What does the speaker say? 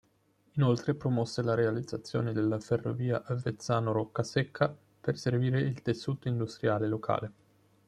Inoltre, promosse la realizzazione della ferrovia Avezzano-Roccasecca, per servire il tessuto industriale locale.